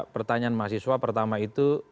pertanyaan mahasiswa pertama itu